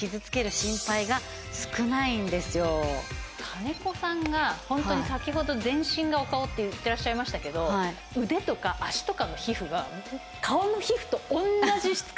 金子さんがホントに先ほど全身がお顔って言ってらっしゃいましたけど腕とか脚とかの皮膚が顔の皮膚とおんなじ質感なんですよ。